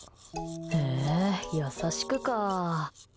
へえ、優しくか。